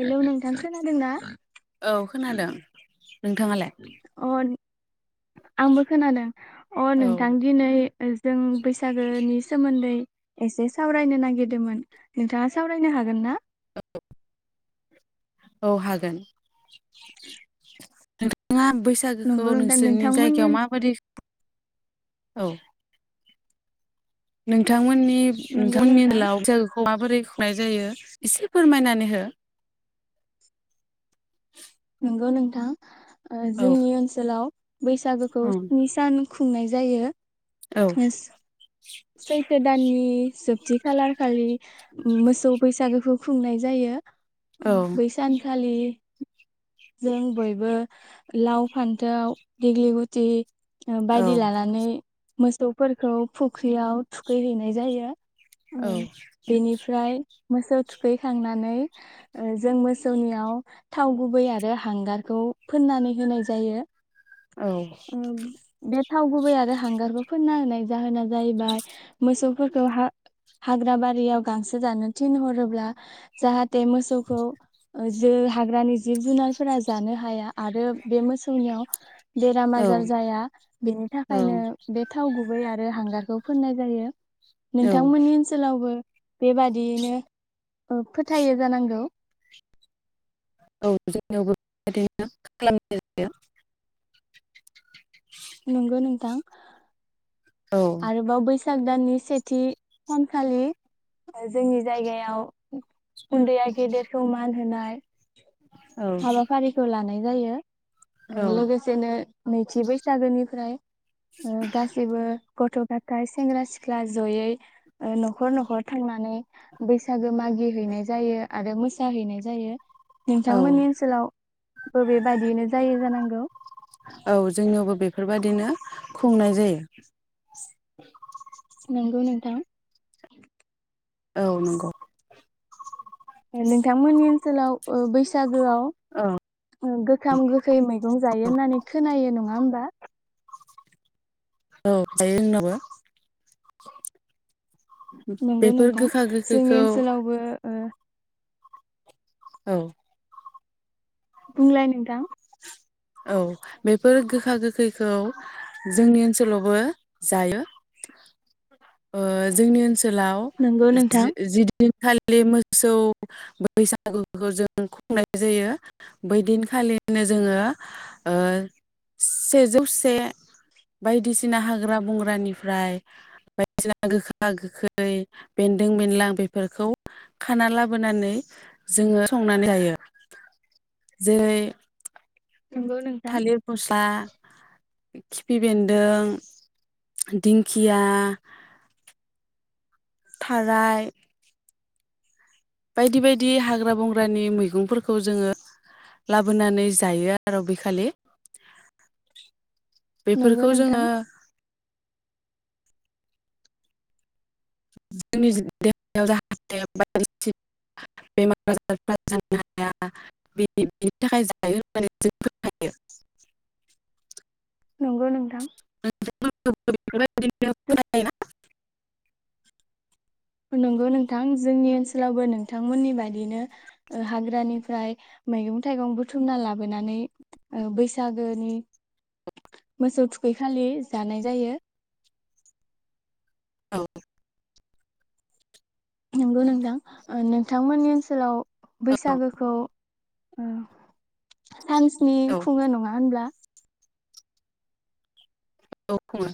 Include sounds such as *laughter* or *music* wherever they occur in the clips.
Hello नोंथां खोनादों ना? औ खोनादों नोंथाङालाय अ आंबो खोनादों अ औ नोंथां दिनै जों बैसागोनि सोमोन्दै एसे सावरायनो नागिरदोंमोन नोंथाङा सावरायनो हागोन ना? औ औ हागोन। *inaudible* *unintelligible* बैसागोखौ नंगौ नोंथां नोंसोरनि नोंथांमोननि जायगायाव माबादि औ नोंथांमोननि नि नंगौ नोंथांमोननि नोंथां ओनसोलाव बैसागुखौ माबोरै नाय जायो एसे फोरमायनानै हो? नंगौ नोंथां? ओ औ जोंनि ओनसोलाव बैसागोखौ उम स्नि सान खुंनाय जायो। औ एस सैथो दाननि जोबथि खालार खालि मोसौ बैसागोखौ खुंनाय जायो। अ औ बैसानखालि जों बयबो लाव फान्थाव दिग्लि गुथि ओ औ बायदि लानानै मोसौफोरखौ फु ख्रियाव थुखै हैैनाय जायो। औ बेनिफ्राय मोसौ थुखैखांनानै ओ जों मोसौनियाव थाव गुबै आरो हांगारखौ फोननानै होनाय जायो। औ ओ बे थाव गुबै आरो हांगारबो फोनना होनाय जाहोना जाहैबाय मोसौफोरखौ हा-हाग्रा बारियाव गांसो जानो थिनहरोब्ला जाहा ते मोसौखौ जे हाग्रानि जिब जुनारफोरा जानो हाया आरो बे मोसौनियाव बेराम औ आजार जाया बेनि औ थाखायनो बे थाव गुबै आरो हांगार खौ फोननाय जायो। नोंथांमोननि ओनसोलावबो बेबादियैनो ओ फोथायो जानांगौ। औ जोंनियावबो बेबायदिनो खालामनाय जायो नंगौ नोंथां। औ औ आरोबाव बैस साग दाननि सेथि सानखालि ओ जोंनि जायगायाव उन्दैया गेदेरखौ मान होनाय। औ हाबाफारिखौ लानाय जायो उम लोगोसेनो नैथि बैसागोनिफ्राय ओ गाैबो गथ' गथायाइ सेंग्रा सिख्ला जयै ओ न'खर न'खर थांनानै बैसागो मागि हैैनाय जायो आरो मोसाहैनाय जायो नों थांमोननि ओनसोलाव बो बेे बादियैनो जायो जानांगौ औ जोंनियावबो बेफोरबायदिनो खुंनाय जायो नंगौ नोंथां औ नंगौ नोंथांमोननि ओनसोलाव ओ बैसागोआव औ ओ गोखाम गोखै मैगं जायो होननानै खोनायो नङा होमबा औ जायो जोंनाबो नंगौ बेफोर नोंथां गोखा जोंनि गोखैखौ ओनसोलावबो ओ औ बुंलाय नोंथां औ बेफोर गोखा गोखैखौ जोंनि ओनसोलावबो जायो ओ जोंनि ओनसोल ओनोलाव नंगौ नोंथां जि दिनखालि मोसौ बैसागुखौ जों खुंनाय जायो बै दिनखालिनो जोङो ओ सेजौसे बायदिसिना हाग्रा बंग्रानिफ्राय बायदिसिना गोखा गोखै बेन्दों बेनलां बेफोरखौ खाना लाबोनानै जोङो संनानै जायो जेरै नंगौ नोंथां थालिर फस्ला खिफि बेन्दों दिंखिया थाराय बायदि बायदि हाग्रा बंग्रानि मैगंफोरखौ जोङो लाबोनानै जायो आरो बेखालि नंगौ बेफोरखौ नोंथां जोङो जोंनि देहायाव जाहाथे बायदिसिना बेमार आजारफ्रा जानो हाया बेनि थाखाय जायो होननानै जों खोनायो नंगौ नोंथां *unintelligible* *unintelligible* नंगौ नोंथां जोंनि ओनसोलावबो नोंथांमोननि बादिनो हाग्रानिफ्राय मैगं थाइगं बुथुमना लाबोनानै ओ बैसागोनि मोसौ थुखैखालि जानाय जायो औ नंगौ नोंथां नोंथांमोननि ओनसोलाव बैसागोखौ औ सानस्नि औ खुङो नङा होनब्ला औ खुंङो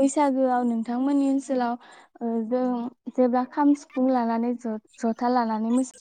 बैसागोआव नोंथांमोननि ओनसोलाव ओ जों जेब्ला खाम सिफुं लानानै ज जथा लानानै मोसा